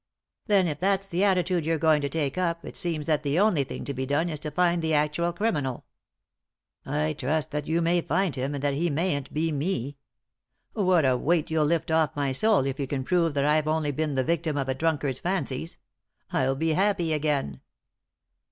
" Then, if that's the attitude you're going to take up, it seems that the only thing to be done is to find the actual criminal." " I trust that you may find him, and that he mayn't be me. What a weight you'll lift off my soul if you can prove that I've only been the victim of a drunkard's fancies. I'll be happy again."